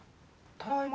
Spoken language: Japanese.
ただいま。